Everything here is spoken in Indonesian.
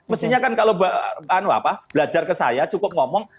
mestinya kan kalau belajar ke saya cukup ngomong